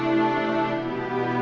ya udah deh